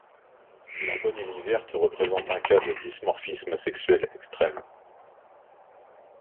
La bonellie verte représente un cas de dimorphisme sexuel extrême.